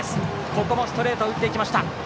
ここもストレートを打っていった。